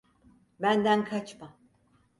Benden kaçma.